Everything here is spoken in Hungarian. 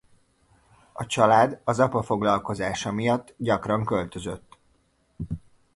A család az apa foglalkozása miatt gyakran költözött.